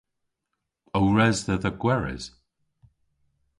O res dhedha gweres?